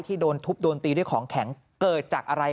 โดนทุบโดนตีด้วยของแข็งเกิดจากอะไร